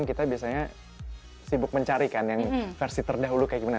kita biasanya sibuk mencarikan yang versi terdahulu kayak gimana